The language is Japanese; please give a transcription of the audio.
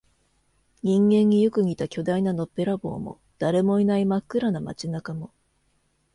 人間によく似た巨大なのっぺらぼうも、誰もいない真っ暗な街中も、